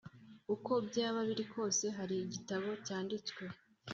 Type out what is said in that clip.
uko byaba biri kose, hari igitabo yanditswe